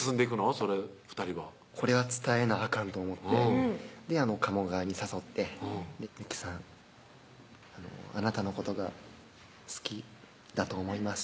それ２人はこれは伝えなあかんと思って鴨川に誘って「由季さんあなたのことが好きだと思います」